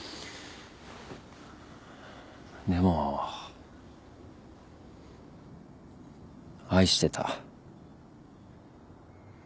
でも愛してた。